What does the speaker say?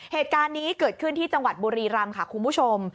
เหตุการณ์นี้เกิดขึ้นที่จังหวัดบุรีรำค่ะคุณผู้ชม